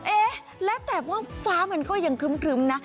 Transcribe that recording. เอ๊ะแล้วแต่ว่าฟ้ามันก็ยังครึ้มนะ